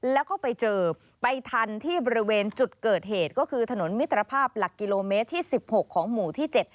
แล้วก็ไปเจอไปทันที่บริเวณจุดเกิดเหตุก็คือถนนมิตรภาพหลักกิโลเมตรที่๑๖ของหมู่ที่๗